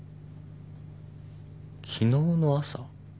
昨日の朝？